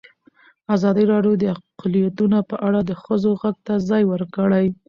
ازادي راډیو د اقلیتونه په اړه د ښځو غږ ته ځای ورکړی.